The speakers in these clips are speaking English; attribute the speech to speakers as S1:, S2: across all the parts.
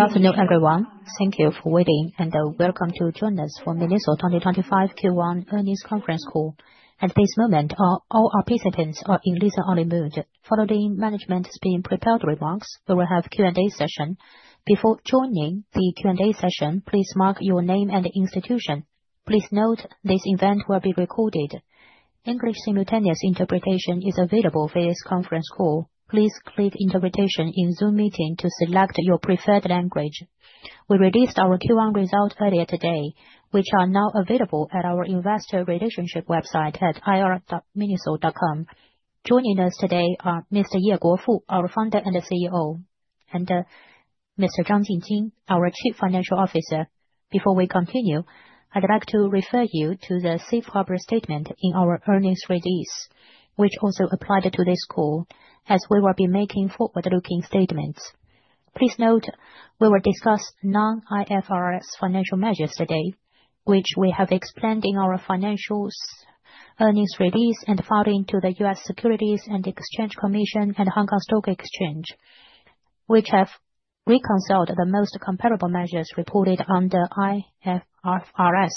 S1: Good afternoon, everyone. Thank you for waiting, and welcome to join us for MINISO 2025 Q1 Earnings Conference Call. At this moment, all our participants are in listen-only mode. Following management's prepared remarks, we will have a Q&A session. Before joining the Q&A session, please mark your name and institution. Please note this event will be recorded. English simultaneous interpretation is available for this conference call. Please click "Interpretation" in Zoom meeting to select your preferred language. We released our Q1 results earlier today, which are now available at our investor relationship website at ir.miniso.com. Joining us today are Mr. Ye Guofu, our Founder and CEO, and Mr. Zhang Jingjing, our Chief Financial Officer. Before we continue, I'd like to refer you to the Safe Harbor Statement in our earnings release, which also applied to this call, as we will be making forward-looking statements. Please note we will discuss non-IFRS financial measures today, which we have explained in our financials earnings release and filed into the US Securities and Exchange Commission and Hong Kong Stock Exchange (HKEX, which have reconciled the most comparable measures reported under IFRS.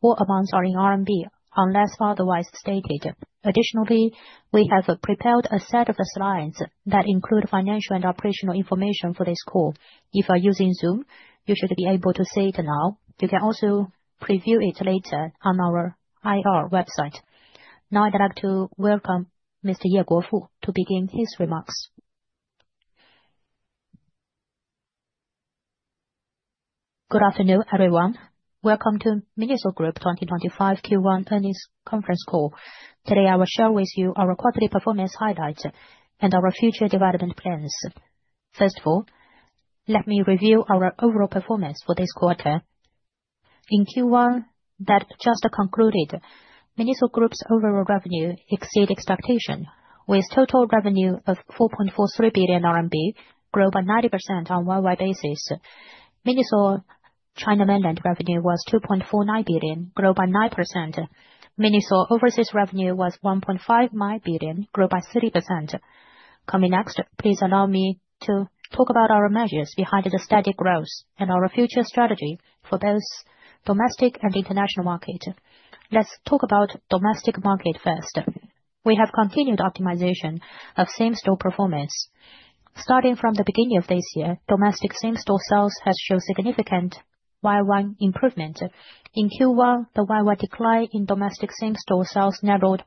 S1: All amounts are in RMB unless otherwise stated. Additionally, we have prepared a set of slides that include financial and operational information for this call. If you are using Zoom, you should be able to see it now. You can also preview it later on our IR website. Now, I'd like to welcome Mr. Ye Guofu to begin his remarks.
S2: Good afternoon, everyone. Welcome to MINISO Group 2025 Q1 Earnings Conference Call. Today, I will share with you our quarterly performance highlights and our future development plans. First of all, let me review our overall performance for this quarter. In Q1 that just concluded, MINISO Group's overall revenue exceeded expectations, with total revenue of 4.43 billion RMB, growth by 90% on a worldwide basis. MINISO China mainland revenue was 2.49 billion, growth by 9%. MINISO overseas revenue was 1.59 billion, growth by 3%. Coming next, please allow me to talk about our measures behind the steady growth and our future strategy for both domestic and international markets. Let's talk about domestic markets first. We have continued optimization of same-store performance. Starting from the beginning of this year, domestic same-store sales have shown significant year-on-year improvement. In Q1, the year-on-year decline in domestic same-store sales narrowed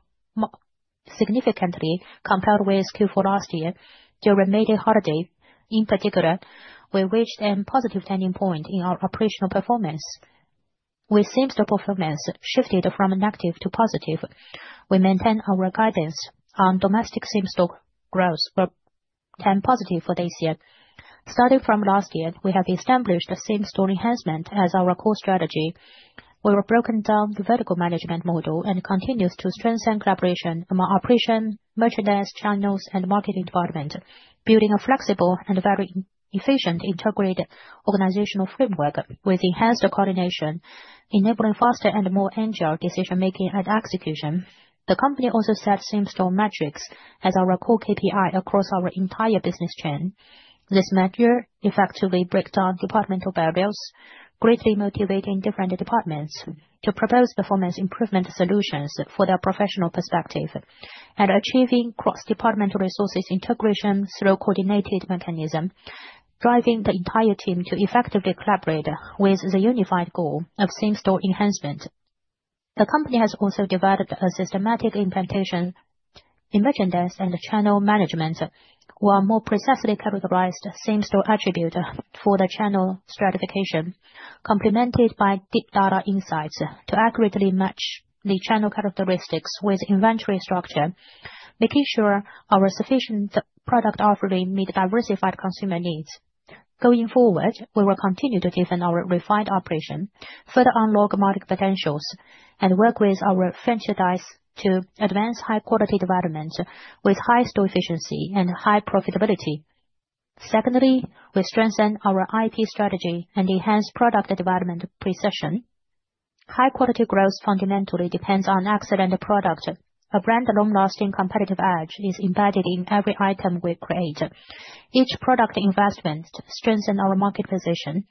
S2: significantly, compared with Q4 last year during major holidays. In particular, we reached a positive turning point in our operational performance, with same-store performance shifting from negative to positive. We maintain our guidance on domestic same-store growth will turn positive for this year. Starting from last year, we have established same-store enhancement as our core strategy. We have broken down the vertical management model and continue to strengthen collaboration among operations, merchandise, channels, and marketing departments, building a flexible and very efficient integrated organizational framework with enhanced coordination, enabling faster and more agile decision-making and execution. The company also sets same-store metrics as our core KPI across our entire business chain. This measure effectively breaks down departmental barriers, greatly motivating different departments to propose performance improvement solutions from their professional perspective, and achieving cross-departmental resources integration through a coordinated mechanism, driving the entire team to effectively collaborate with the unified goal of same-store enhancement. The company has also developed a systematic implementation in merchandise and channel management, where more precisely categorized same-store attributes for the channel stratification, complemented by deep data insights to accurately match the channel characteristics with inventory structure, making sure our sufficient product offering meets diversified consumer needs. Going forward, we will continue to deepen our refined operation, further unlock market potentials, and work with our franchise to advance high-quality development with high store efficiency and high profitability. Secondly, we strengthen our IP strategy and enhance product development precision. High-quality growth fundamentally depends on excellent products. A brand's long-lasting competitive edge is embedded in every item we create. Each product investment strengthens our market position.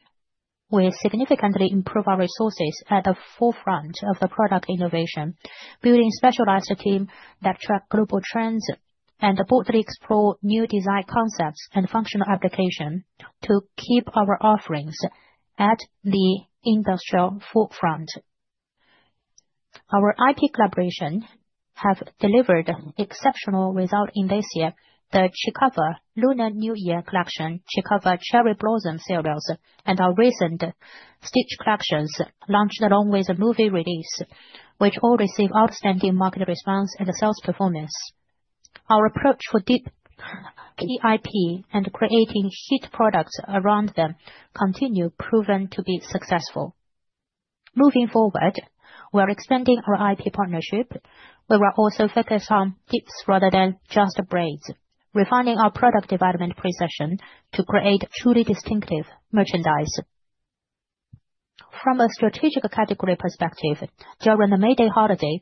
S2: We significantly improve our resources at the forefront of product innovation, building specialized teams that track global trends and broadly explore new design concepts and functional applications to keep our offerings at the industrial forefront. Our IP collaborations have delivered exceptional results in this year: the Chicago Lunar New Year collection, Chicago Cherry Blossom series, and our recent Stitch collections launched along with a movie release, which all received outstanding market response and sales performance. Our approach for deep IP and creating hit products around them continues to prove to be successful. Moving forward, we are expanding our IP partnership. We will also focus on dips rather than just breaks, refining our product development procession to create truly distinctive merchandise. From a strategic category perspective, during the May Day holiday,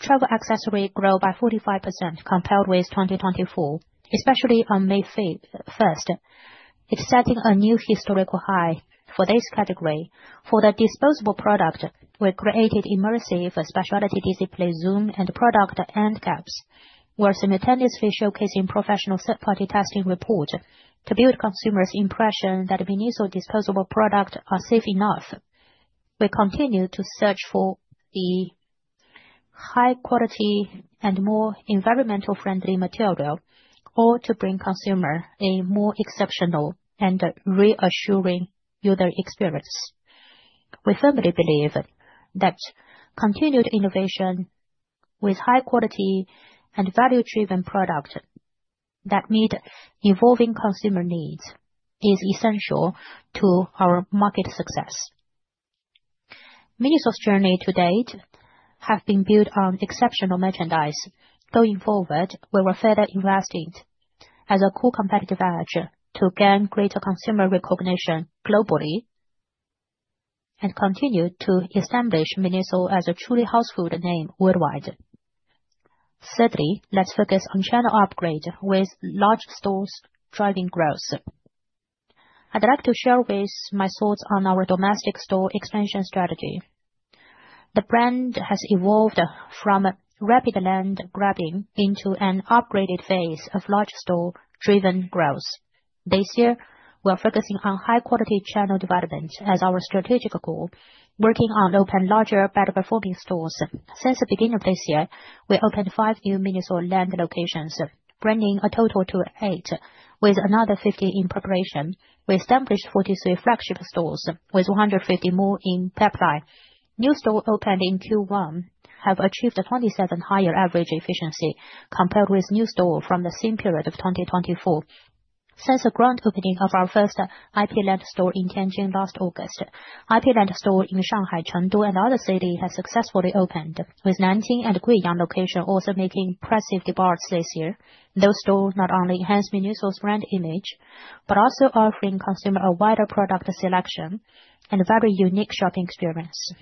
S2: travel accessories grew by 45% compared with 2024, especially on May 1. It's setting a new historical high for this category. For the disposable product, we created immersive specialty displays, zoomed and product end caps, while simultaneously showcasing professional third-party testing reports to build consumers' impression that MINISO disposable products are safe enough. We continue to search for high-quality and more environmentally friendly materials, all to bring consumers a more exceptional and reassuring user experience. We firmly believe that continued innovation with high-quality and value-driven products that meet evolving consumer needs is essential to our market success. MINISO's journey to date has been built on exceptional merchandise. Going forward, we will further invest in it as a core competitive edge to gain greater consumer recognition globally and continue to establish MINISO as a truly household name worldwide. Thirdly, let's focus on channel upgrades with large stores driving growth. I'd like to share with you my thoughts on our domestic store expansion strategy. The brand has evolved from rapid land grabbing into an upgraded phase of large-store-driven growth. This year, we are focusing on high-quality channel development as our strategic goal, working on opening larger better-performing stores. Since the beginning of this year, we opened five new MINISO LAND locations, bringing the total to eight, with another 50 in preparation. We established 43 flagship stores with 150 more in the pipeline. New stores opened in Q1 have achieved 27% higher average efficiency compared with new stores from the same period of 2024. Since the grand opening of our first IP LAND store in Tianjin last August, IP LAND stores in Shanghai, Chengdu, and other cities have successfully opened, with Nanjing and Guiyang locations also making impressive departures this year. Those stores not only enhance MINISO's brand image but also offer consumers a wider product selection and a very unique shopping experience.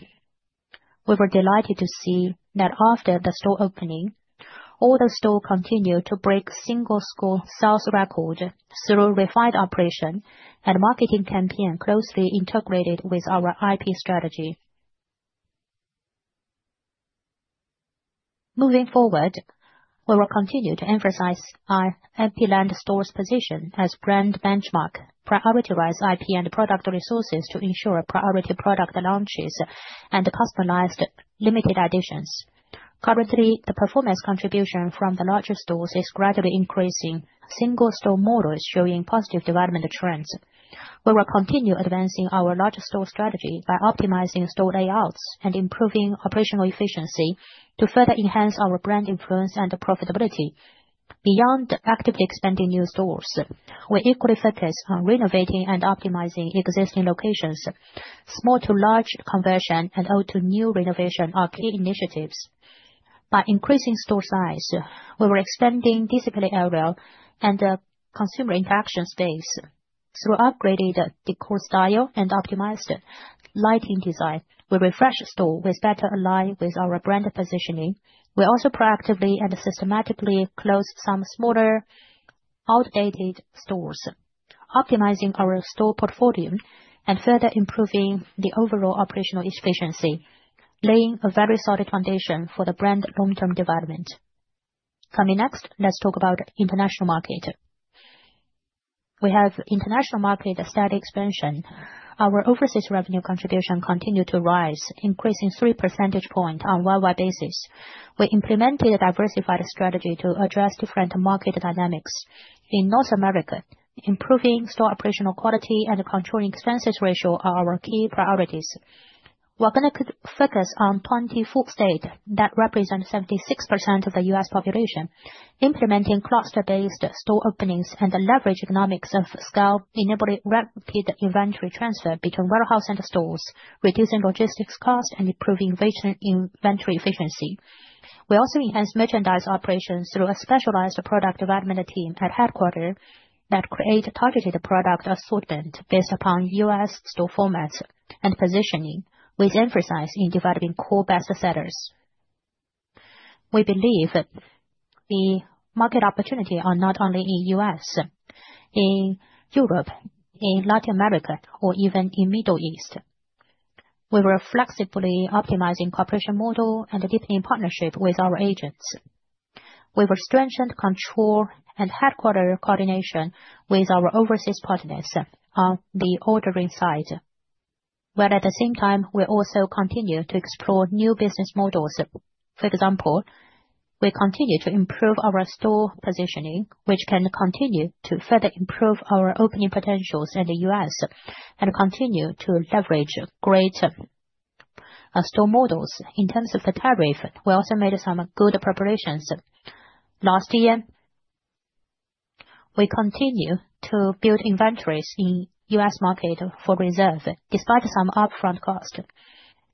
S2: We were delighted to see that after the store opening, all the stores continued to break single-store sales records through refined operations and marketing campaigns closely integrated with our IP strategy. Moving forward, we will continue to emphasize our IP land stores' position as brand benchmarks, prioritizing IP and product resources to ensure priority product launches and customized limited editions. Currently, the performance contribution from the larger stores is gradually increasing, with single-store models showing positive development trends. We will continue advancing our large-store strategy by optimizing store layouts and improving operational efficiency to further enhance our brand influence and profitability. Beyond actively expanding new stores, we equally focus on renovating and optimizing existing locations. Small-to-large conversion and old-to-new renovation are key initiatives. By increasing store size, we will expand disciplinary areas and consumer interaction space. Through upgraded decor styles and optimized lighting design, we refresh stores with better alignment with our brand positioning. We also proactively and systematically close some smaller outdated stores, optimizing our store portfolio and further improving the overall operational efficiency, laying a very solid foundation for the brand's long-term development. Coming next, let's talk about the international market. We have international markets steady expansion. Our overseas revenue contribution continued to rise, increasing 3 percentage points on a worldwide basis. We implemented a diversified strategy to address different market dynamics. In North America, improving store operational quality and controlling expenses ratio are our key priorities. We are going to focus on 24 states that represent 76% of the U.S. population, implementing cluster-based store openings and leveraging economics of scale, enabling rapid inventory transfer between warehouses and stores, reducing logistics costs and improving inventory efficiency. We also enhanced merchandise operations through a specialized product development team at headquarters that creates targeted product assortment based upon U.S. store formats and positioning, with emphasis on developing core bestsellers. We believe the market opportunities are not only in the U.S., in Europe, in Latin America, or even in the Middle East. We were flexibly optimizing the corporation model and deepening partnerships with our agents. We have strengthened control and headquarter coordination with our overseas partners on the ordering side, while at the same time, we also continue to explore new business models. For example, we continue to improve our store positioning, which can continue to further improve our opening potentials in the U.S. and continue to leverage greater store models. In terms of the tariff, we also made some good preparations. Last year, we continued to build inventories in the U.S. Market for reserves despite some upfront costs,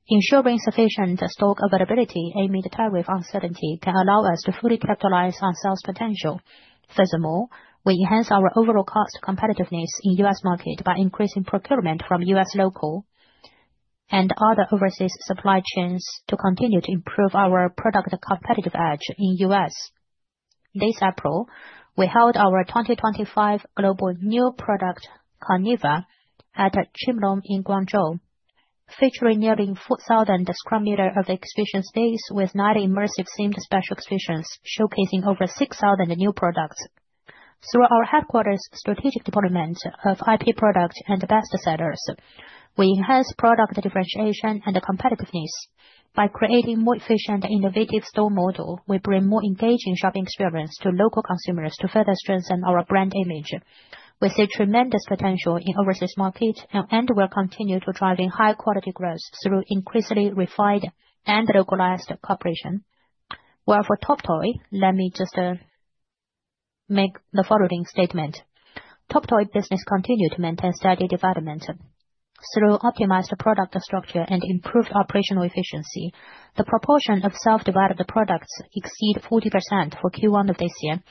S2: ensuring sufficient stock availability amid tariff uncertainty can allow us to fully capitalize on sales potential. Furthermore, we enhanced our overall cost competitiveness in the U.S. market by increasing procurement from U.S. local and other overseas supply chains to continue to improve our product competitive edge in the U.S. This April, we held our 2025 Global New Product Carnival at Chimlong in Guangzhou, featuring nearly 4,000 square meters of exhibition space with 90 immersive themed special exhibitions, showcasing over 6,000 new products. Through our headquarters' strategic department of IP products and bestsellers, we enhanced product differentiation and competitiveness by creating a more efficient and innovative store model. We bring a more engaging shopping experience to local consumers to further strengthen our brand image. We see tremendous potential in the overseas market and will continue to drive high-quality growth through increasingly refined and localized cooperation. For TOP TOY, let me just make the following statement: TOP TOY's business continued to maintain steady development. Through optimized product structure and improved operational efficiency, the proportion of self-developed products exceeded 40% for Q1 of this year,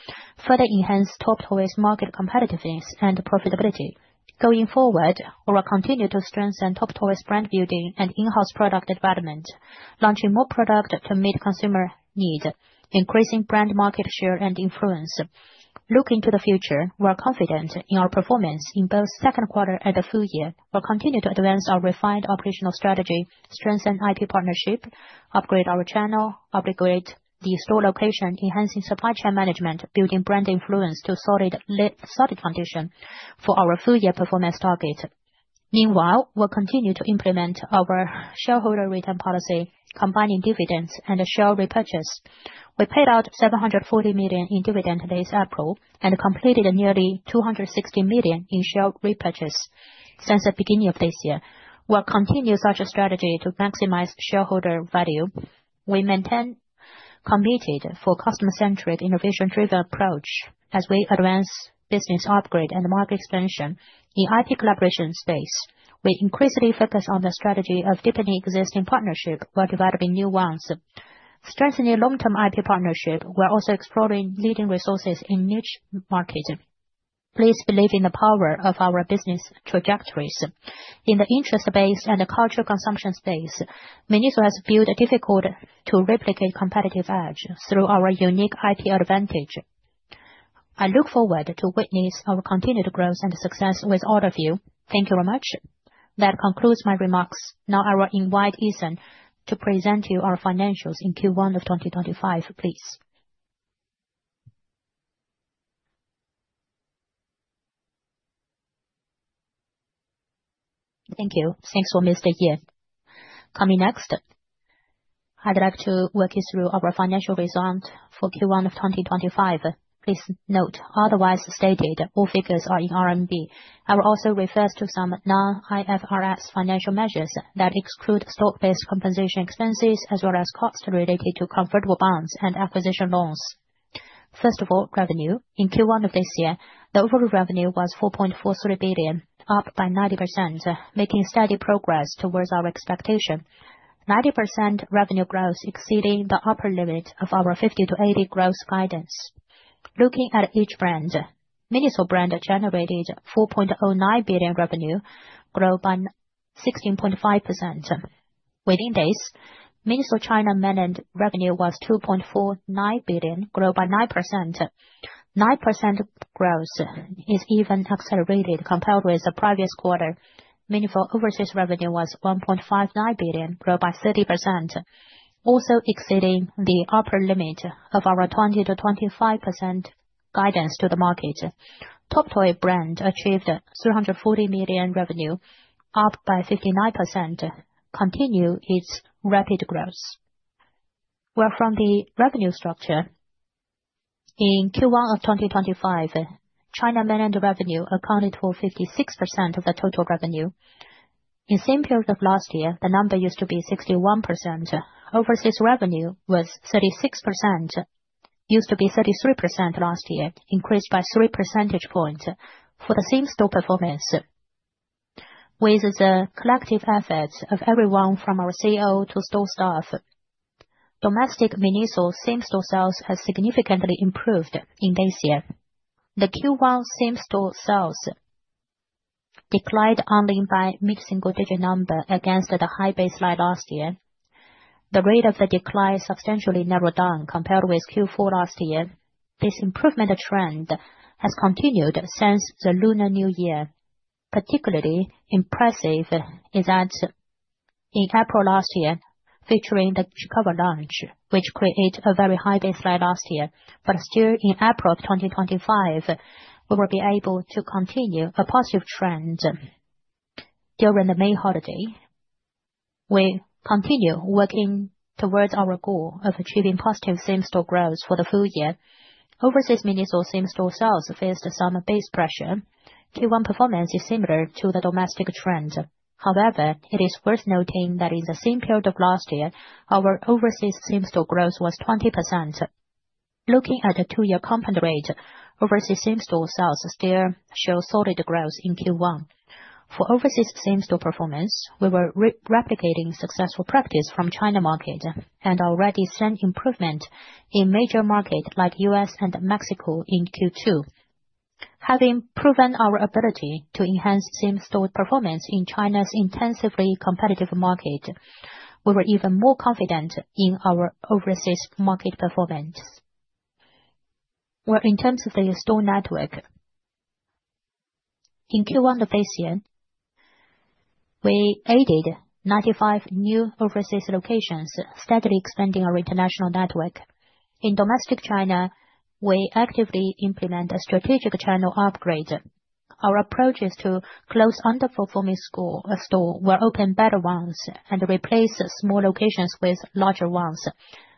S2: further enhancing TOP TOY's market competitiveness and profitability. Going forward, we will continue to strengthen TOP TOY's brand building and in-house product development, launching more products to meet consumer needs, increasing brand market share and influence. Looking to the future, we are confident in our performance in both the second quarter and the full year. We will continue to advance our refined operational strategy, strengthen IP partnerships, upgrade our channel, upgrade the store location, enhancing supply chain management, building brand influence to solid conditions for our full-year performance target. Meanwhile, we will continue to implement our shareholder return policy, combining dividends and share repurchase. We paid out 740 million in dividends this April and completed nearly 260 million in share repurchases since the beginning of this year. We will continue such a strategy to maximize shareholder value. We remain committed to a customer-centric, innovation-driven approach as we advance business upgrades and market expansion in the IP collaboration space. We increasingly focus on the strategy of deepening existing partnerships while developing new ones. Strengthening long-term IP partnerships while also exploring leading resources in niche markets. Please believe in the power of our business trajectories. In the interest space and the cultural consumption space, MINISO has built a difficult-to-replicate competitive edge through our unique IP advantage. I look forward to witnessing our continued growth and success with all of you. Thank you very much. That concludes my remarks. Now, I will invite Eason to present to you our financials in Q1 of 2025. Please. Thank you.
S3: Thanks for Mr. Ye. Coming next, I'd like to walk you through our financial result for Q1 of 2025. Please note, unless otherwise stated, all figures are in RMB. I will also refer to some non-IFRS financial measures that exclude stock-based compensation expenses as well as costs related to convertible bonds and acquisition loans. First of all, revenue. In Q1 of this year, the overall revenue was 4.43 billion, up by 90%, making steady progress towards our expectation: 90% revenue growth exceeding the upper limit of our 50%-80% growth guidance. Looking at each brand, MINISO brand generated 4.09 billion revenue, growth by 16.5%. Within this, MINISO China mainland revenue was 2.49 billion, growth by 9%. 9% growth is even accelerated compared with the previous quarter. Meaningful overseas revenue was 1.59 billion, growth by 30%, also exceeding the upper limit of our 20-25% guidance to the market. TOP TOY brand achieved 340 million revenue, up by 59%, continuing its rapid growth. From the revenue structure, in Q1 of 2025, China mainland revenue accounted for 56% of the total revenue. In the same period of last year, the number used to be 61%. Overseas revenue was 36%, used to be 33% last year, increased by 3 percentage points for the same store performance. With the collective efforts of everyone from our CEO to store staff, domestic MINISO same-store sales have significantly improved in this year. The Q1 same-store sales declined only by a mid-single-digit number against the high baseline last year. The rate of the decline substantially narrowed down compared with Q4 last year. This improvement trend has continued since the Lunar New Year. Particularly impressive is that in April last year, featuring the Chicago launch, which created a very high baseline last year. Still, in April of 2025, we will be able to continue a positive trend during the May holiday. We continue working towards our goal of achieving positive same-store growth for the full year. Overseas MINISO same-store sales faced some base pressure. Q1 performance is similar to the domestic trend. However, it is worth noting that in the same period of last year, our overseas same-store growth was 20%. Looking at the two-year compound rate, overseas same-store sales still show solid growth in Q1. For overseas same-store performance, we were replicating successful practices from the China market and already seeing improvements in major markets like the U.S. and Mexico in Q2. Having proven our ability to enhance same-store performance in China's intensively competitive market, we were even more confident in our overseas market performance. In terms of the store network, in Q1 of this year, we added 95 new overseas locations, steadily expanding our international network. In domestic China, we actively implemented a strategic channel upgrade. Our approach is to close underperforming stores while opening better ones and replace small locations with larger ones.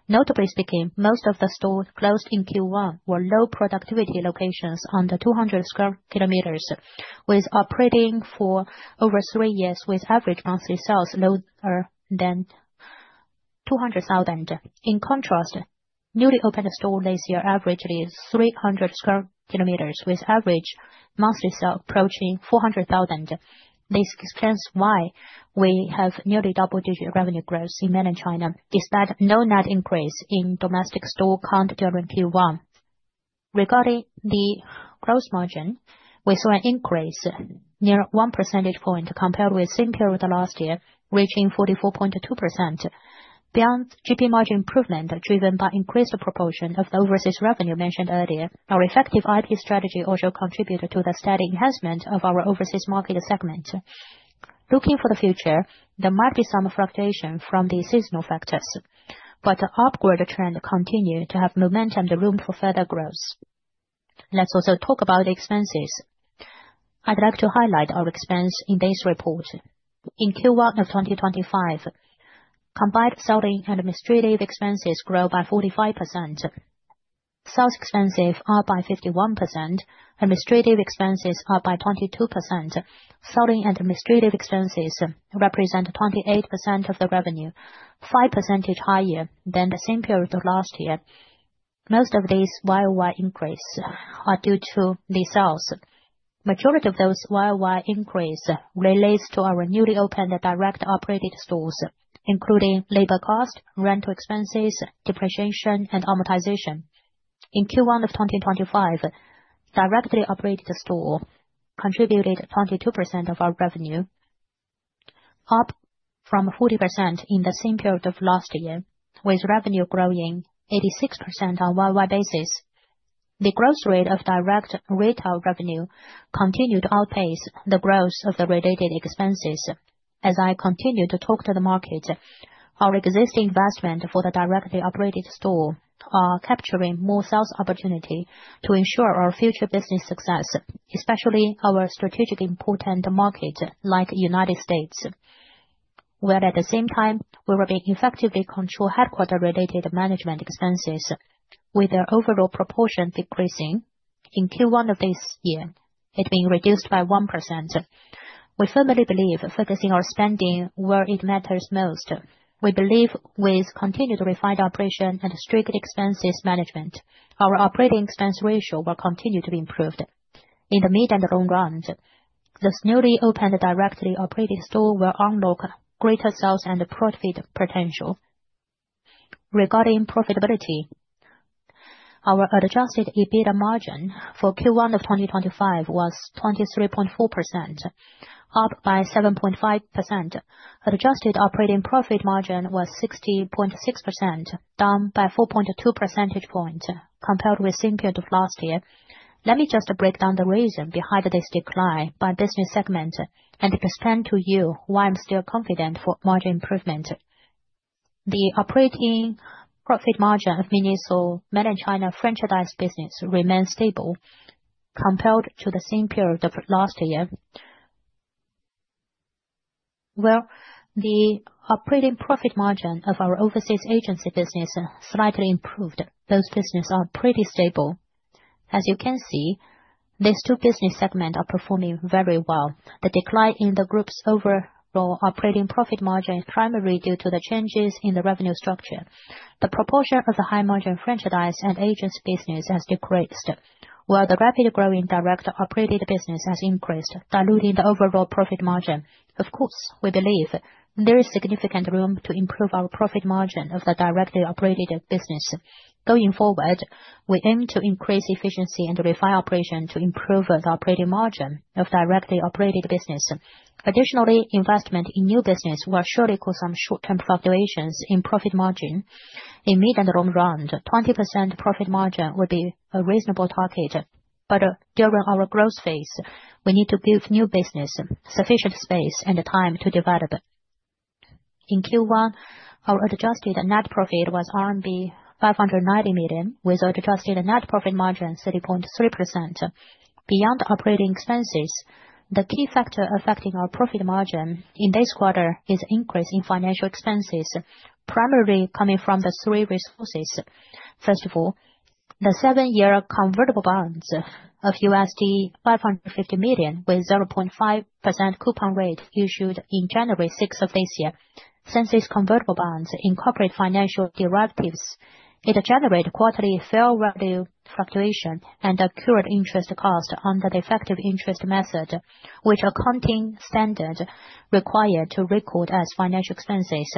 S3: Notably speaking, most of the stores closed in Q1 were low-productivity locations under 200 sq m, operating for over three years, with average monthly sales lower than 200,000. In contrast, newly opened stores this year averaged 300 sq m, with average monthly sales approaching 400,000. This explains why we have nearly double-digit revenue growth in mainland China, despite no net increase in domestic store count during Q1. Regarding the gross margin, we saw an increase near 1 percentage point compared with the same period last year, reaching 44.2%. Beyond GP margin improvement driven by increased proportion of the overseas revenue mentioned earlier, our effective IP strategy also contributed to the steady enhancement of our overseas market segment. Looking for the future, there might be some fluctuation from the seasonal factors, but the upward trend continues to have momentum and room for further growth. Let's also talk about expenses. I'd like to highlight our expense in this report. In Q1 of 2025, combined selling and administrative expenses grew by 45%. Sales expenses are up by 51%, administrative expenses are up by 22%. Selling and administrative expenses represent 28% of the revenue, 5 percentage points higher than the same period of last year. Most of these YOY increases are due to the sales. The majority of those YOY increases relate to our newly opened direct operated stores, including labor costs, rental expenses, depreciation, and amortization. In Q1 of 2025, directly operated stores contributed 22% of our revenue, up from 14% in the same period of last year, with revenue growing 86% on a YOY basis. The growth rate of direct retail revenue continued to outpace the growth of the related expenses. As I continue to talk to the market, our existing investments for the directly operated stores are capturing more sales opportunities to ensure our future business success, especially our strategically important markets like the United States. While at the same time, we will be effectively controlling headquarter-related management expenses, with their overall proportion decreasing. In Q1 of this year, it has been reduced by 1%. We firmly believe in focusing our spending where it matters most. We believe that with continued refined operation and strict expenses management, our operating expense ratio will continue to be improved. In the mid and long run, those newly opened directly operated stores will unlock greater sales and profit potential. Regarding profitability, our adjusted EBITDA margin for Q1 of 2025 was 23.4%, up by 7.5%. Adjusted operating profit margin was 16.6%, down by 4.2 percentage points compared with the same period of last year. Let me just break down the reason behind this decline by business segment and explain to you why I'm still confident in margin improvement. The operating profit margin of MINISO mainland China franchise business remains stable compared to the same period of last year. The operating profit margin of our overseas agency business slightly improved. Those businesses are pretty stable. As you can see, these two business segments are performing very well. The decline in the group's overall operating profit margin is primarily due to the changes in the revenue structure. The proportion of the high-margin franchise and agency business has decreased, while the rapidly growing direct operated business has increased, diluting the overall profit margin. Of course, we believe there is significant room to improve our profit margin of the directly operated business. Going forward, we aim to increase efficiency and refine operations to improve the operating margin of directly operated business. Additionally, investment in new business will surely cause some short-term fluctuations in profit margin. In the mid and long run, 20% profit margin would be a reasonable target. During our growth phase, we need to build new business, sufficient space, and time to develop. In Q1, our adjusted net profit was RMB 590 million, with adjusted net profit margin 30.3%. Beyond operating expenses, the key factor affecting our profit margin in this quarter is an increase in financial expenses, primarily coming from the three resources. First of all, the seven-year convertible bonds of $550 million, with a 0.5% coupon rate, issued on January 6 of this year. Since these convertible bonds incorporate financial derivatives, it generates quarterly fair value fluctuations and accrued interest costs under the effective interest method, which are accounting standards required to record as financial expenses.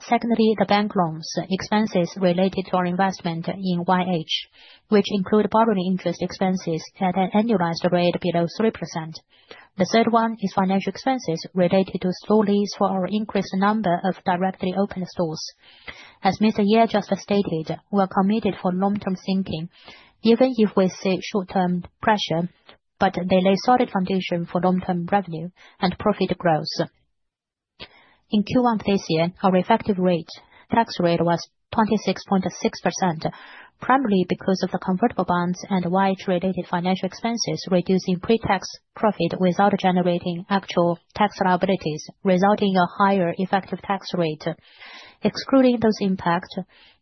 S3: Secondly, the bank loans expenses related to our investment in YH, which include borrowing interest expenses at an annualized rate below 3%. The third one is financial expenses related to slow lease for our increased number of directly opened stores. As Mr. Ye just stated, we are committed to long-term thinking, even if we see short-term pressure, but they lay a solid foundation for long-term revenue and profit growth. In Q1 of this year, our effective tax rate was 26.6%, primarily because of the convertible bonds and YH-related financial expenses reducing pre-tax profit without generating actual tax liabilities, resulting in a higher effective tax rate. Excluding those impacts,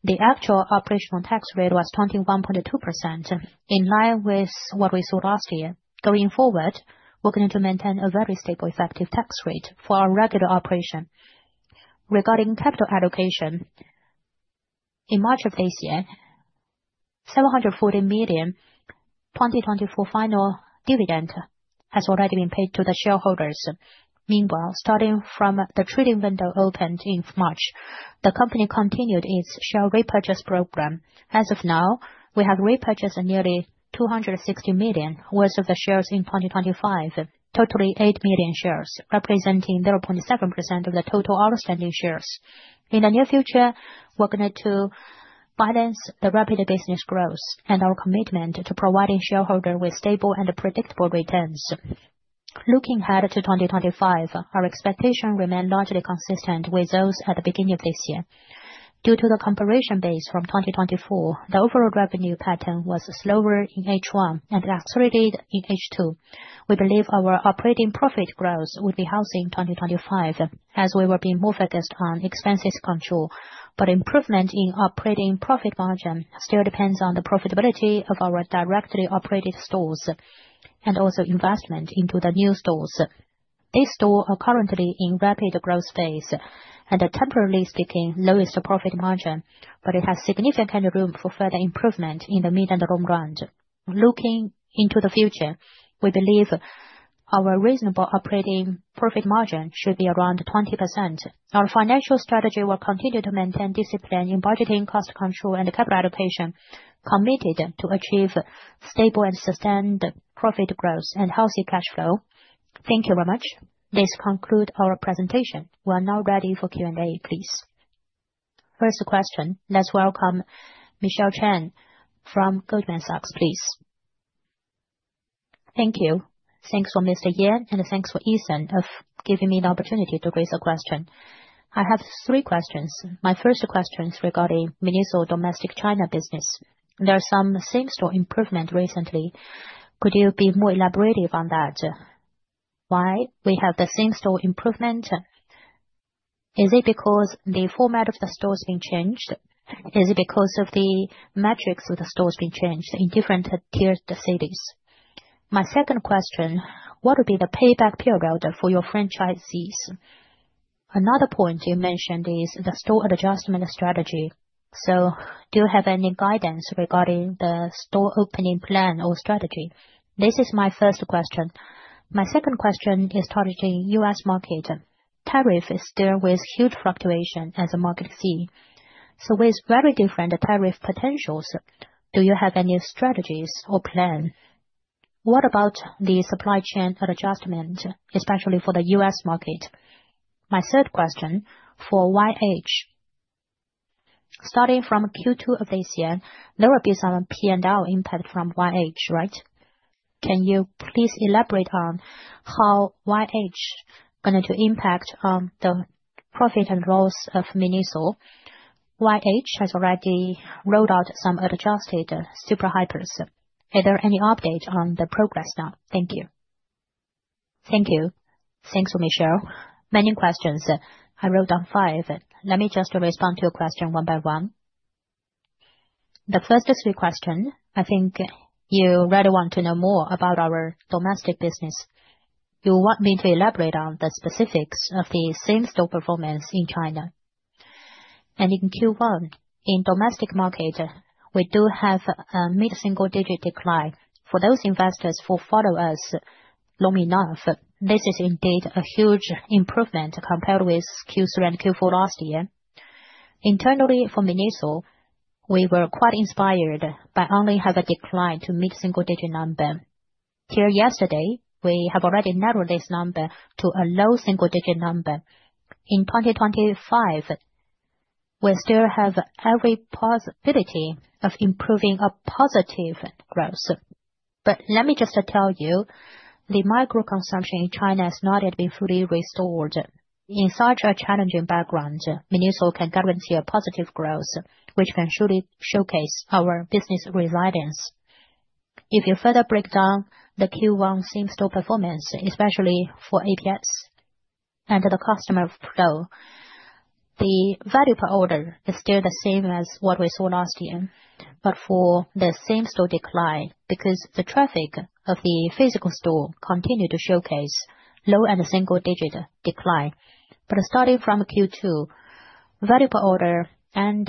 S3: the actual operational tax rate was 21.2%, in line with what we saw last year. Going forward, we're going to maintain a very stable effective tax rate for our regular operation. Regarding capital allocation, in March of this year, $740 million 2024 final dividend has already been paid to the shareholders. Meanwhile, starting from the trading window opened in March, the company continued its share repurchase program. As of now, we have repurchased nearly $260 million worth of the shares in 2025, totaling 8 million shares, representing 0.7% of the total outstanding shares. In the near future, we're going to balance the rapid business growth and our commitment to providing shareholders with stable and predictable returns. Looking ahead to 2025, our expectations remain largely consistent with those at the beginning of this year. Due to the comparison base from 2024, the overall revenue pattern was slower in H1 and accelerated in H2. We believe our operating profit growth would be healthy in 2025, as we will be more focused on expenses control. Improvement in operating profit margin still depends on the profitability of our directly operated stores and also investment into the new stores. These stores are currently in a rapid growth phase and are temporarily seeking lowest profit margin, but it has significant room for further improvement in the mid and long run. Looking into the future, we believe our reasonable operating profit margin should be around 20%. Our financial strategy will continue to maintain discipline in budgeting, cost control, and capital allocation, committed to achieving stable and sustained profit growth and healthy cash flow. Thank you very much. This concludes our presentation. We are now ready for Q&A, please.
S1: First question, let's welcome Michelle Chen from Goldman Sachs, please.
S4: Thank you. Thanks for Mr. Ye and thanks for Eason for giving me the opportunity to raise a question. I have three questions. My first question is regarding MINISO domestic China business. There is some same-store improvement recently. Could you be more elaborative on that? Why do we have the same-store improvement? Is it because the format of the stores has been changed? Is it because of the metrics of the stores being changed in different tiered cities? My second question, what would be the payback period for your franchisees? Another point you mentioned is the store adjustment strategy. Do you have any guidance regarding the store opening plan or strategy? This is my first question. My second question is targeting the U.S. market. Tariffs are still with huge fluctuations as the market sees. With very different tariff potentials, do you have any strategies or plans? What about the supply chain adjustment, especially for the U.S. market? My third question for YH. Starting from Q2 of this year, there will be some P&L impact from YH, right? Can you please elaborate on how YH is going to impact the profit and loss of MINISO? YH has already rolled out some adjusted superhypers. Are there any updates on the progress now? Thank you.
S2: Thank you. Thanks for Michelle. Many questions. I wrote down five. Let me just respond to your questions one by one. The first three questions, I think you really want to know more about our domestic business. You want me to elaborate on the specifics of the same-store performance in China. In Q1, in the domestic market, we do have a mid-single-digit decline. For those investors who follow us long enough, this is indeed a huge improvement compared with Q3 and Q4 last year. Internally, for MINISO, we were quite inspired by only having a decline to a mid-single-digit number. Here yesterday, we have already narrowed this number to a low single-digit number. In 2025, we still have every possibility of improving our positive growth. Let me just tell you, the micro-consumption in China has not yet been fully restored. In such a challenging background, MINISO can guarantee a positive growth, which can surely showcase our business resilience. If you further break down the Q1 same-store performance, especially for APS and the customer flow, the value per order is still the same as what we saw last year, but for the same-store decline because the traffic of the physical stores continues to showcase low and single-digit decline. Starting from Q2, value per order and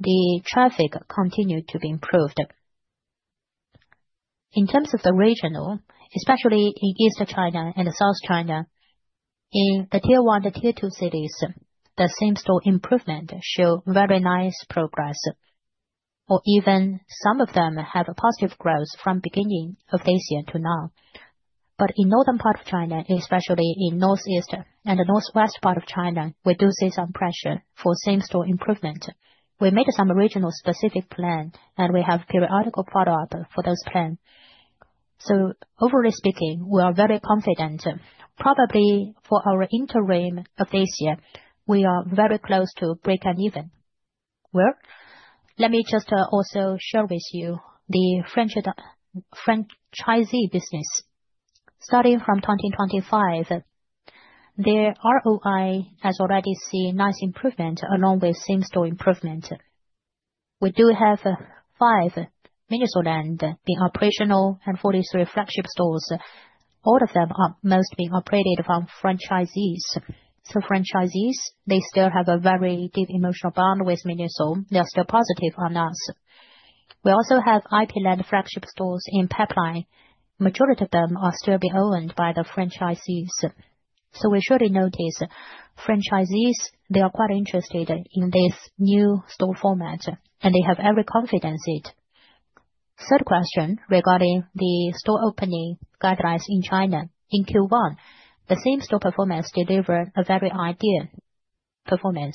S2: the traffic continue to be improved. In terms of the regional, especially in Eastern China and South China, in the Tier 1 and Tier 2 cities, the same-store improvement shows very nice progress. Or even some of them have a positive growth from the beginning of this year to now. In the northern part of China, especially in the northeast and the northwest part of China, we do see some pressure for same-store improvement. We made some regional-specific plans, and we have periodical follow-ups for those plans. Overall speaking, we are very confident. Probably for our interim of this year, we are very close to breaking even. Let me just also share with you the franchisee business. Starting from 2025, the ROI has already seen nice improvement along with same-store improvement. We do have five MINISO lands being operational and 43 flagship stores. All of them are mostly being operated by franchisees. Franchisees still have a very deep emotional bond with MINISO. They are still positive on us. We also have IP-land flagship stores in pipeline. The majority of them are still being owned by the franchisees. We surely notice franchisees are quite interested in this new store format, and they have every confidence in it. Third question regarding the store opening guidelines in China. In Q1, the same-store performance delivered a very ideal performance.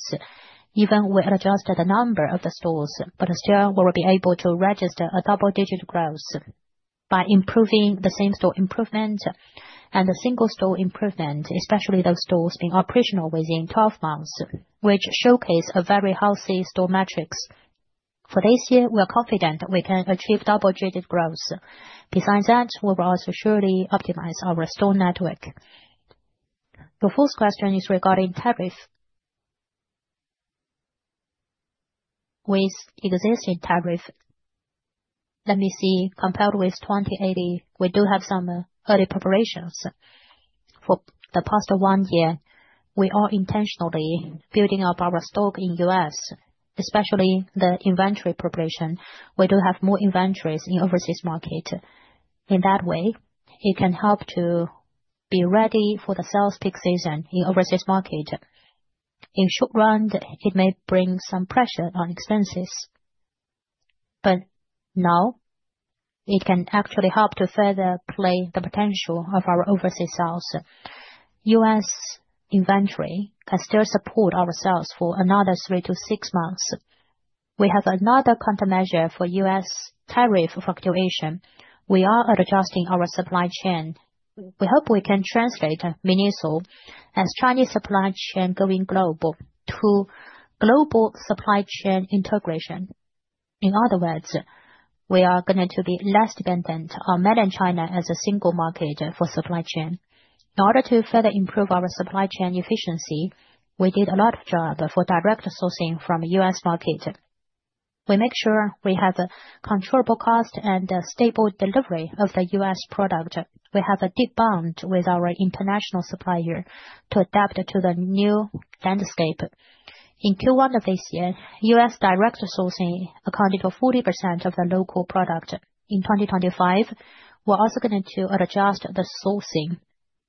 S2: Even we adjusted the number of the stores, but still, we will be able to register a double-digit growth by improving the same-store improvement and the single-store improvement, especially those stores being operational within 12 months, which showcase a very healthy store metrics. For this year, we are confident we can achieve double-digit growth. Besides that, we will also surely optimize our store network. The fourth question is regarding tariff. With existing tariff, let me see, compared with 2020, we do have some early preparations for the past one year. We are intentionally building up our stock in the U.S., especially the inventory preparation. We do have more inventories in the overseas market. In that way, it can help to be ready for the sales peak season in the overseas market. In short run, it may bring some pressure on expenses. Now, it can actually help to further play the potential of our overseas sales. U.S. inventory can still support our sales for another three to six months. We have another countermeasure for U.S. tariff fluctuation. We are adjusting our supply chain. We hope we can translate MINISO as Chinese supply chain going global to global supply chain integration. In other words, we are going to be less dependent on mainland China as a single market for supply chain. In order to further improve our supply chain efficiency, we did a lot of job for direct sourcing from the U.S. market. We make sure we have controllable costs and stable delivery of the U.S. product. We have a deep bond with our international supplier to adapt to the new landscape. In Q1 of this year, U.S. direct sourcing accounted for 40% of the local product. In 2025, we're also going to adjust the sourcing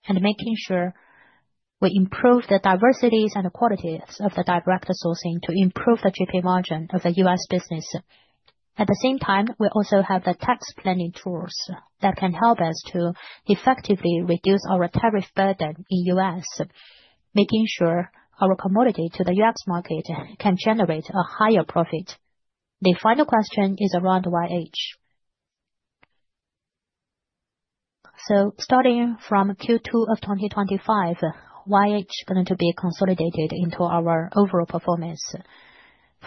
S2: and making sure we improve the diversities and the qualities of the direct sourcing to improve the GP margin of the U.S. business. At the same time, we also have the tax planning tools that can help us to effectively reduce our tariff burden in the U.S., making sure our commodity to the U.S. market can generate a higher profit. The final question is around YH. Starting from Q2 of 2025, YH is going to be consolidated into our overall performance.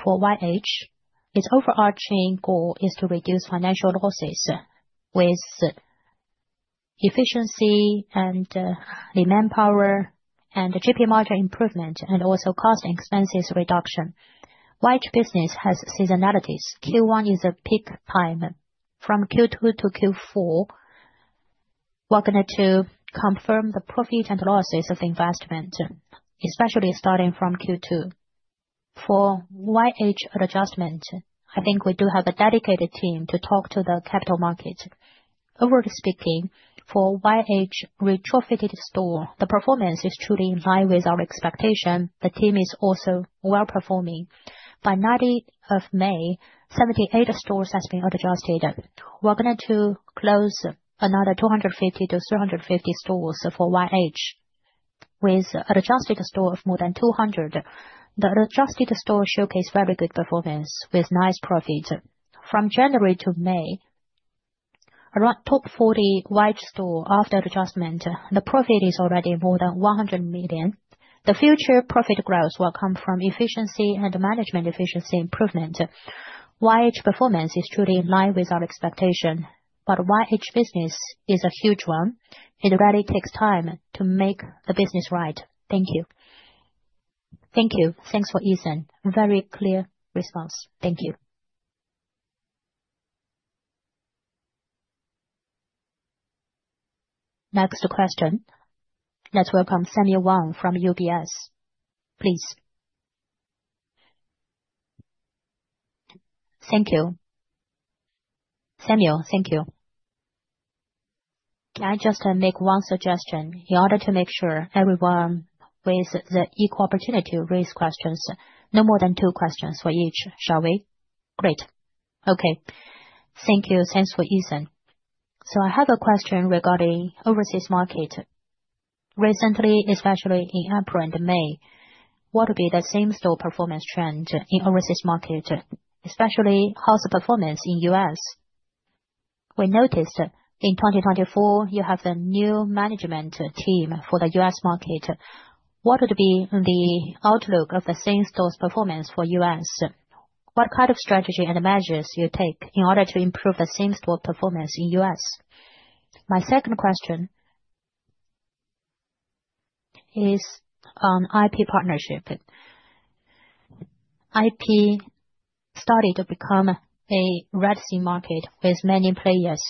S2: For YH, its overarching goal is to reduce financial losses with efficiency and the manpower and GP margin improvement and also cost and expenses reduction. YH business has seasonalities. Q1 is a peak time. From Q2 to Q4, we're going to confirm the profit and losses of investment, especially starting from Q2. For YH adjustment, I think we do have a dedicated team to talk to the capital markets. Overall speaking, for YH retrofitted store, the performance is truly in line with our expectation. The team is also well performing. By 9th of May, 78 stores have been adjusted. We're going to close another 250-350 stores for YH with an adjusted store of more than 200. The adjusted store showcased very good performance with nice profit. From January to May, around top 40 YH store after adjustment, the profit is already more than 100 million. The future profit growth will come from efficiency and management efficiency improvement. YH performance is truly in line with our expectation. YH business is a huge one. It really takes time to make the business right. Thank you.
S4: Thank you. Thanks for Eason. Very clear response. Thank you.
S1: Next question.
S2: Let's welcome Samuel Wong from UBS. Please.
S5: Thank you.
S2: Samuel, thank you. Can I just make one suggestion in order to make sure everyone with the equal opportunity to raise questions? No more than two questions for each, shall we?
S5: Great.
S2: Okay. Thank you.
S5: Thanks for Eason. I have a question regarding the overseas market. Recently, especially in April and May, what would be the same-store performance trend in the overseas market, especially how's performance in the U.S.? We noticed in 2024, you have a new management team for the U.S. market. What would be the outlook of the same-store's performance for the U.S.? What kind of strategy and measures will you take in order to improve the same-store performance in the U.S.? My second question is on IP partnership. IP started to become a red sea market with many players.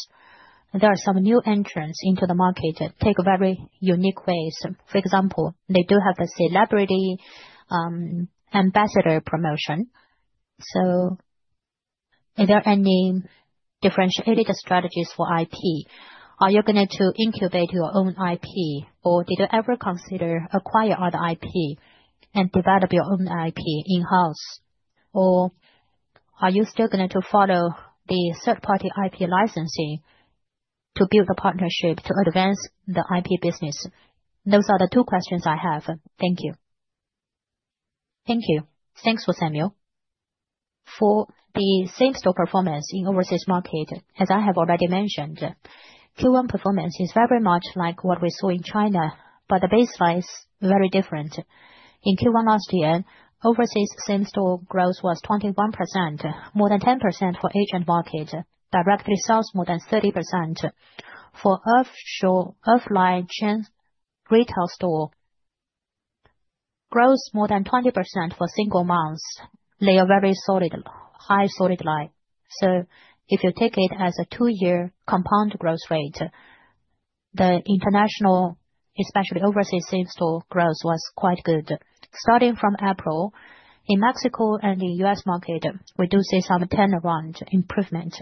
S2: There are some new entrants into the market that take very unique ways. For example, they do have the celebrity ambassador promotion. Are there any differentiated strategies for IP? Are you going to incubate your own IP, or did you ever consider acquiring other IP and developing your own IP in-house? Or are you still going to follow the third-party IP licensing to build a partnership to advance the IP business? Those are the two questions I have. Thank you. Thank you. Thanks for Samuel. For the same-store performance in the overseas market, as I have already mentioned, Q1 performance is very much like what we saw in China, but the baseline is very different. In Q1 last year, overseas same-store growth was 21%, more than 10% for the Asian market, direct sales more than 30%. For offshore offline chain retail store, growth more than 20% for single months. They are very solid, high solid line. If you take it as a two-year compound growth rate, the international, especially overseas same-store growth was quite good. Starting from April, in Mexico and the U.S. market, we do see some turnaround improvement.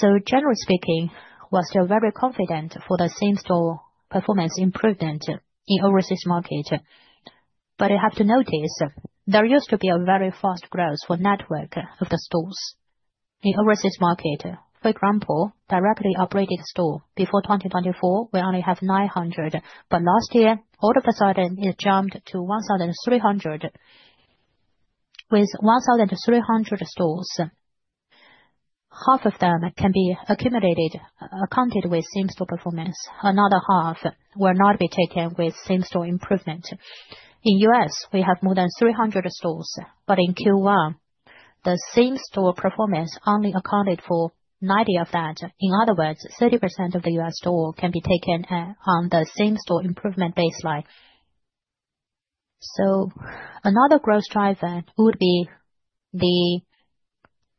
S2: Generally speaking, we're still very confident for the same-store performance improvement in the overseas market. I have to notice there used to be a very fast growth for the network of the stores in the overseas market. For example, directly operated store, before 2024, we only had 900. Last year, all of a sudden, it jumped to 1,300. With 1,300 stores, half of them can be accumulated, accounted with same-store performance. Another half will not be taken with same-store improvement. In the U.S., we have more than 300 stores. In Q1, the same-store performance only accounted for 90% of that. In other words, 30% of the U.S. store can be taken on the same-store improvement baseline. Another growth driver would be the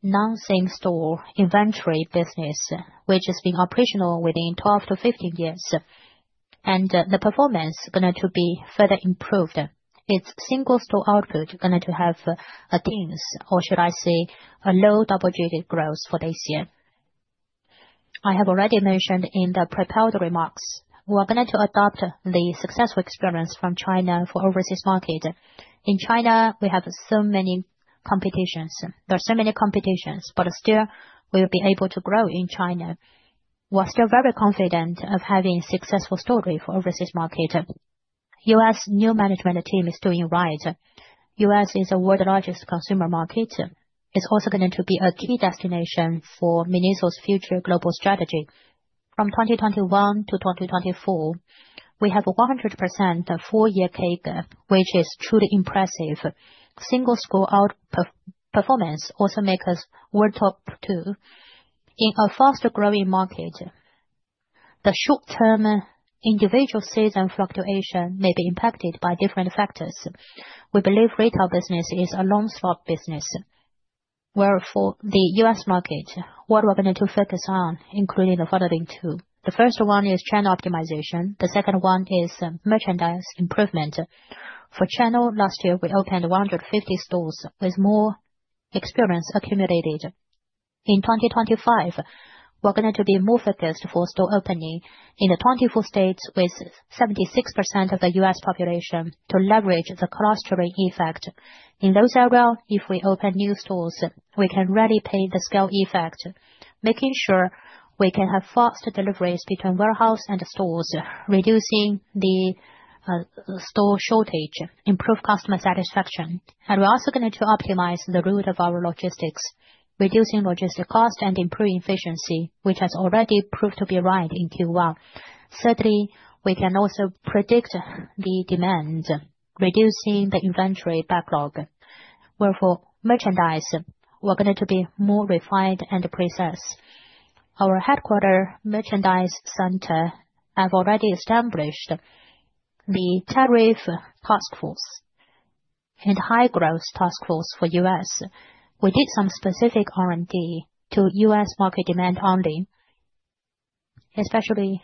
S2: non-same-store inventory business, which has been operational within 12-15 years. The performance is going to be further improved. Its single-store output is going to have a teens, or should I say a low double-digit growth for this year. I have already mentioned in the preparatory remarks, we are going to adopt the successful experience from China for the overseas market. In China, we have so many competitions. There are so many competitions, but still, we will be able to grow in China. We are still very confident of having a successful story for the overseas market. The U.S. new management team is doing right. The U.S. is the world's largest consumer market. It is also going to be a key destination for MINISO's future global strategy. From 2021 to 2024, we have a 100% four-year CAGR, which is truly impressive. Single-store output performance also makes us world top two. In a fast-growing market, the short-term individual season fluctuation may be impacted by different factors. We believe retail business is a long-short business. Where for the U.S. market, what we're going to focus on, including the following two. The first one is channel optimization. The second one is merchandise improvement. For channel, last year, we opened 150 stores with more experience accumulated. In 2025, we're going to be more focused on store opening in the 24 states with 76% of the U.S. population to leverage the clustering effect. In those areas, if we open new stores, we can really pay the scale effect, making sure we can have fast deliveries between warehouse and stores, reducing the store shortage, improving customer satisfaction. We are also going to optimize the route of our logistics, reducing logistic costs and improving efficiency, which has already proved to be right in Q1. Certainly, we can also predict the demand, reducing the inventory backlog. Where for merchandise, we are going to be more refined and precise. Our headquarter merchandise center has already established the tariff task force and high-growth task force for the U.S. We did some specific R&D to U.S. market demand only, especially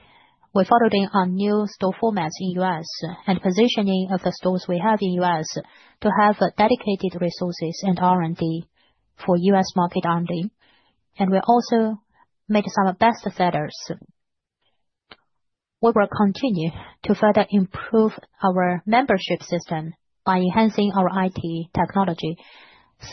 S2: we followed in on new store formats in the U.S. and positioning of the stores we have in the U.S. to have dedicated resources and R&D for U.S. market only. We also made some best sellers. We will continue to further improve our membership system by enhancing our IT technology.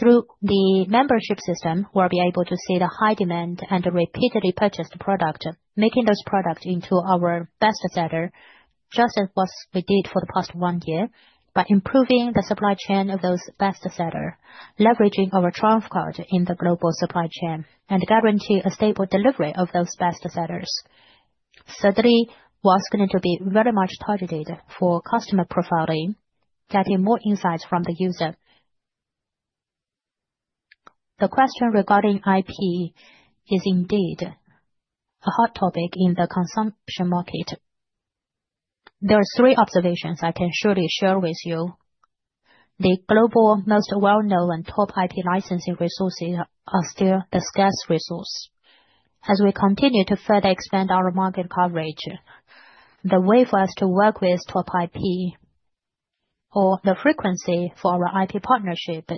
S2: Through the membership system, we'll be able to see the high demand and repeatedly purchased product, making those products into our best seller, just as what we did for the past one year. By improving the supply chain of those best sellers, leveraging our trump card in the global supply chain, and guarantee a stable delivery of those best sellers. Certainly, we're also going to be very much targeted for customer profiling, getting more insights from the user. The question regarding IP is indeed a hot topic in the consumption market. There are three observations I can surely share with you. The global most well-known and top IP licensing resources are still the scarce resource. As we continue to further expand our market coverage, the way for us to work with top IP or the frequency for our IP partnership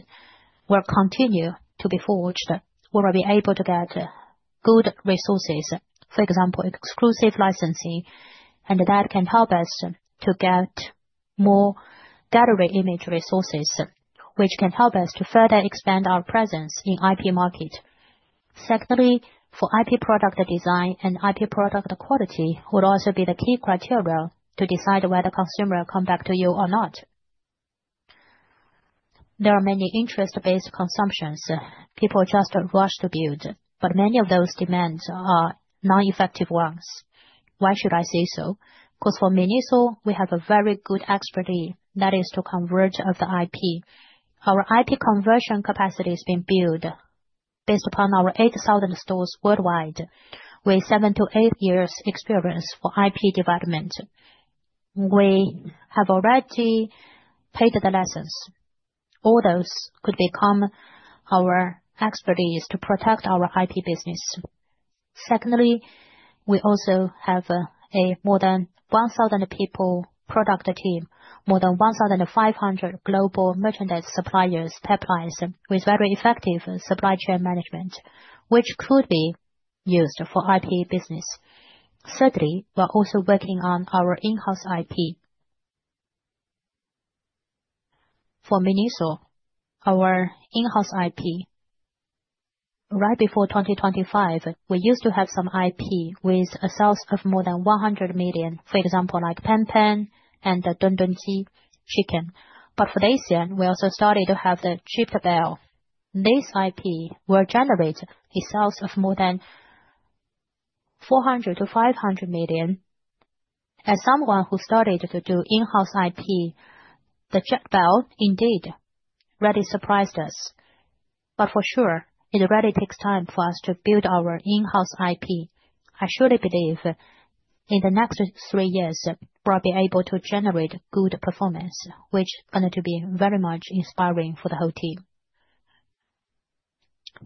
S2: will continue to be forged. We will be able to get good resources, for example, exclusive licensing, and that can help us to get more gallery image resources, which can help us to further expand our presence in the IP market. Secondly, for IP product design and IP product quality, it would also be the key criteria to decide whether consumers come back to you or not. There are many interest-based consumptions. People just rush to build, but many of those demands are non-effective ones. Why should I say so? Because for MINISO, we have a very good expertise that is to convert the IP. Our IP conversion capacity has been built based upon our 8,000 stores worldwide. We have seven to eight years' experience for IP development. We have already paid the license. All those could become our expertise to protect our IP business. Secondly, we also have a more than 1,000-people product team, more than 1,500 global merchandise suppliers, pipelines, with very effective supply chain management, which could be used for IP business. Certainly, we're also working on our in-house IP. For MINISO, our in-house IP, right before 2025, we used to have some IP with sales of more than 100 million, for example, like Pen Pen and Dun Dun Ji Chicken. For this year, we also started to have the Chip Belle. This IP will generate sales of more than 400-500 million. As someone who started to do in-house IP, the Chip Belle indeed really surprised us. For sure, it really takes time for us to build our in-house IP. I surely believe in the next three years, we'll be able to generate good performance, which is going to be very much inspiring for the whole team.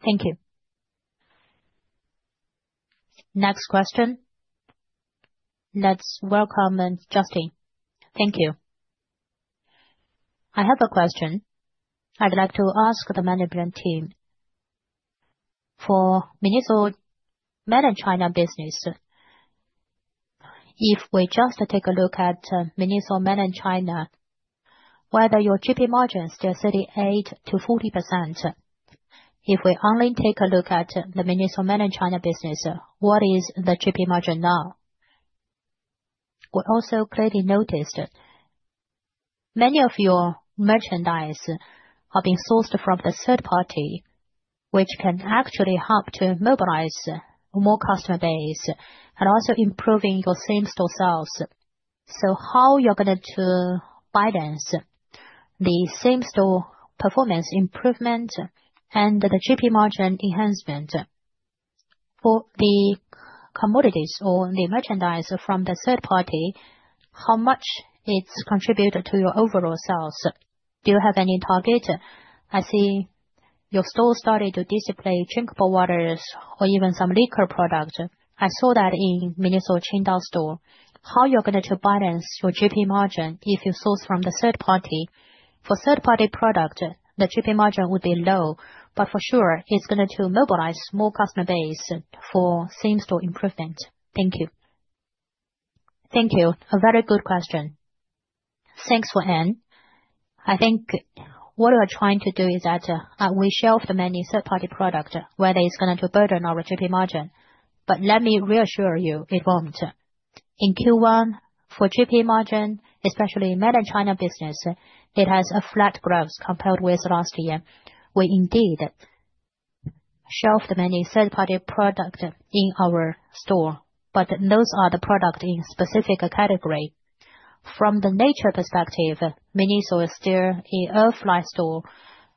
S1: Thank you. Next question. Let's welcome Justin.
S6: Thank you. I have a question. I'd like to ask the management team for MINISO Man and China business. If we just take a look at MINISO Man and China, whether your GP margin is still 38-40%, if we only take a look at the MINISO Man and China business, what is the GP margin now? We also clearly noticed many of your merchandise are being sourced from the third party, which can actually help to mobilize more customer base and also improve your same-store sales. How are you going to balance the same-store performance improvement and the GP margin enhancement? For the commodities or the merchandise from the third party, how much does it contribute to your overall sales? Do you have any target? I see your store started to display drinkable waters or even some liquor products. I saw that in MINISO Qingdao store. How are you going to balance your GP margin if you source from the third party? For third-party products, the GP margin would be low, but for sure, it is going to mobilize more customer base for same-store improvement. Thank you.
S2: Thank you. A very good question. Thanks for the end. I think what we are trying to do is that we shelved many third-party products, whether it is going to burden our GP margin. Let me reassure you, it will not. In Q1, for GP margin, especially in the mainland China business, it has a flat growth compared with last year. We indeed shelved many third-party products in our store, but those are the products in a specific category. From the nature perspective, MINISO is still an air-fly store.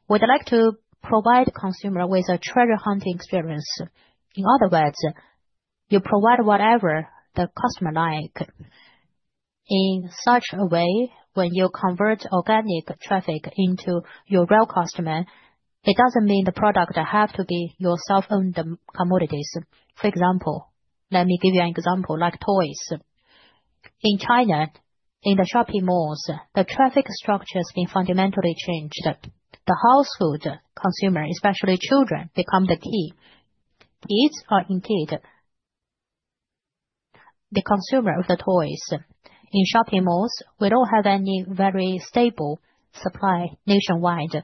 S2: We would like to provide consumers with a treasure hunt experience. In other words, you provide whatever the customer likes. In such a way, when you convert organic traffic into your real customers, it does not mean the product has to be your self-owned commodities. For example, let me give you an example, like toys. In China, in the shopping malls, the traffic structure has been fundamentally changed. The household consumer, especially children, becomes the key. Kids are indeed the consumer of the toys. In shopping malls, we do not have any very stable supply nationwide.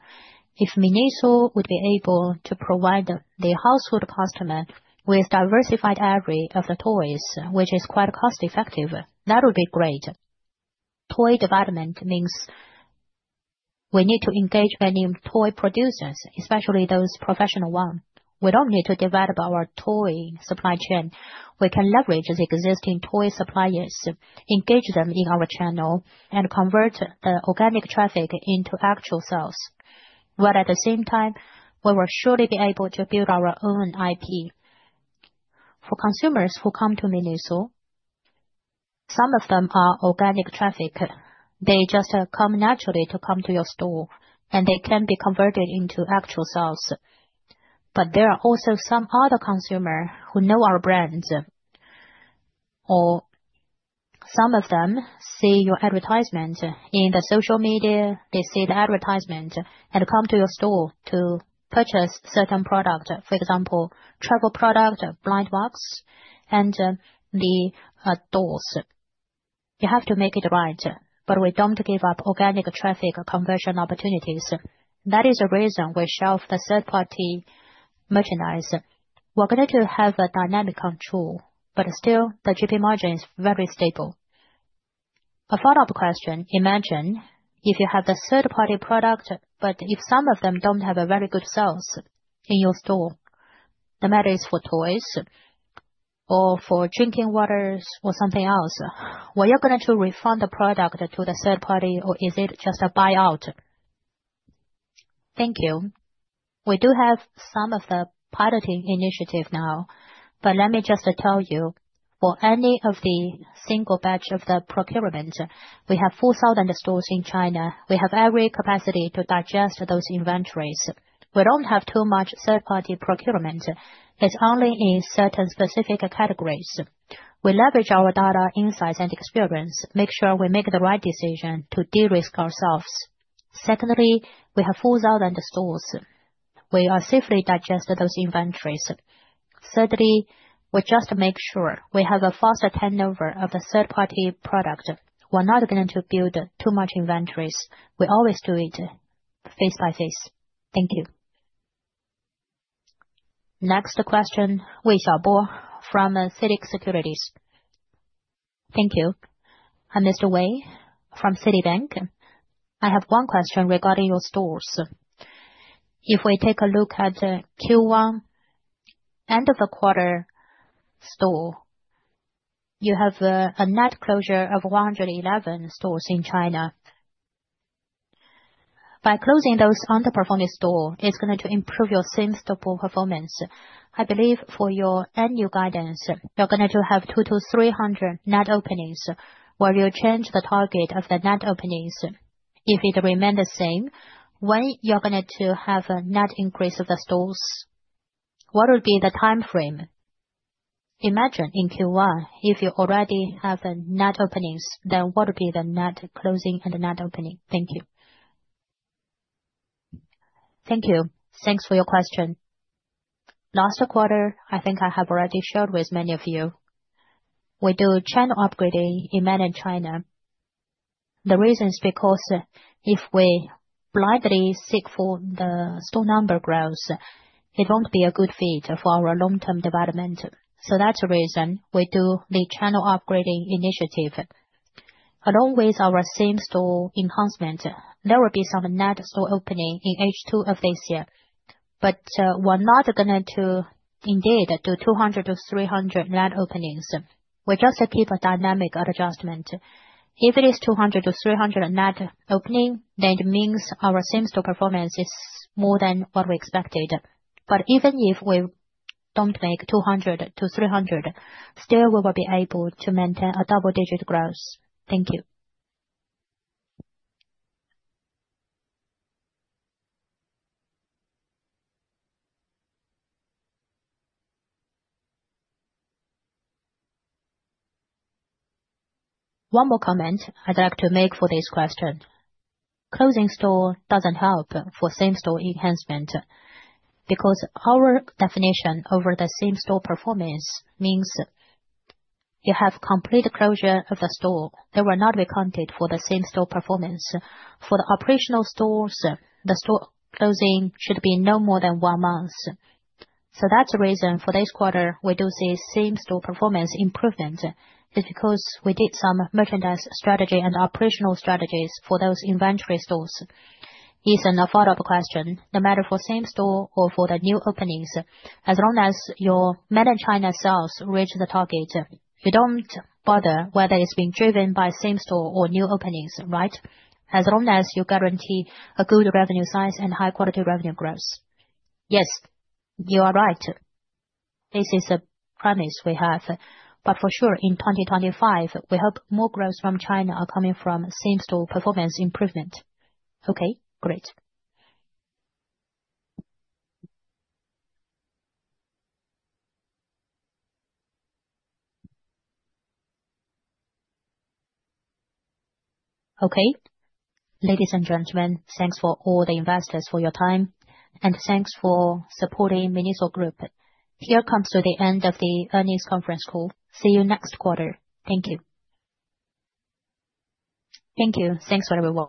S2: If MINISO would be able to provide the household customers with a diversified array of the toys, which is quite cost-effective, that would be great. Toy development means we need to engage many toy producers, especially those professional ones. We do not need to develop our toy supply chain. We can leverage the existing toy suppliers, engage them in our channel, and convert the organic traffic into actual sales. At the same time, we will surely be able to build our own IP. For consumers who come to MINISO, some of them are organic traffic. They just come naturally to your store, and they can be converted into actual sales. There are also some other consumers who know our brands. Or some of them see your advertisement in the social media. They see the advertisement and come to your store to purchase certain products, for example, travel products, blind boxes, and the doors. You have to make it right, but we do not give up organic traffic conversion opportunities. That is the reason we shelved the third-party merchandise. We are going to have a dynamic control, but still, the GP margin is very stable.
S6: A follow-up question. Imagine if you have the third-party products, but if some of them do not have very good sales in your store, no matter if it is for toys or for drinking waters or something else, were you going to refund the product to the third party, or is it just a buy-out? Thank you.
S2: We do have some of the piloting initiatives now, but let me just tell you, for any of the single batch of the procurement, we have 4,000 stores in China. We have every capacity to digest those inventories. We do not have too much third-party procurement. It is only in certain specific categories. We leverage our data, insights, and experience, make sure we make the right decision to de-risk ourselves. Secondly, we have 4,000 stores. We safely digest those inventories. Thirdly, we just make sure we have a fast turnover of the third-party product. We're not going to build too much inventories. We always do it face by face. Thank you.
S1: Next question. Wei Xiaobo from CITIC Securities.
S7: Thank you. I'm Mr. Wei from CITIC Securities. I have one question regarding your stores. If we take a look at Q1, end-of-quarter store, you have a net closure of 111 stores in China. By closing those underperforming stores, it's going to improve your same-store performance. I believe for your annual guidance, you're going to have 200-300 net openings, where you change the target of the net openings. If it remains the same, when are you going to have a net increase of the stores? What would be the time frame? Imagine in Q1, if you already have net openings, then what would be the net closing and net opening? Thank you.
S2: Thank you. Thanks for your question. Last quarter, I think I have already shared with many of you. We do channel upgrading in mainland China. The reason is because if we blindly seek for the store number growth, it will not be a good fit for our long-term development. That is the reason we do the channel upgrading initiative. Along with our same-store enhancement, there will be some net store opening in H2 of this year. We are not going to indeed do 200-300 net openings. We just keep a dynamic adjustment. If it is 200-300 net opening, then it means our same-store performance is more than what we expected. Even if we do not make 200-300, still, we will be able to maintain a double-digit growth. Thank you. One more comment I would like to make for this question. Closing store does not help for same-store enhancement because our definition over the same-store performance means you have complete closure of the store. They were not accounted for the same-store performance. For the operational stores, the store closing should be no more than one month. That is the reason for this quarter we do see same-store performance improvement. It is because we did some merchandise strategy and operational strategies for those inventory stores.
S8: Here is a follow-up question. No matter for same-store or for the new openings, as long as your mainland China sales reach the target, you do not bother whether it is being driven by same-store or new openings, right?
S2: As long as you guarantee a good revenue size and high-quality revenue growth. Yes, you are right. This is a premise we have. For sure, in 2025, we hope more growth from China is coming from same-store performance improvement.
S8: Okay, great.
S1: Okay. Ladies and gentlemen, thanks for all the investors for your time, and thanks for supporting MINISO Group. Here comes to the end of the earnings conference call. See you next quarter. Thank you.
S2: Thank you.
S3: Thanks very much.